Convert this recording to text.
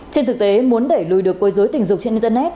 trên thực tế muốn để lùi được quấy rối tình dục trên internet